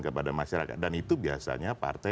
kepada masyarakat dan itu biasanya partai